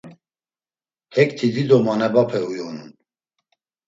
Hekti dido manebape uyonun.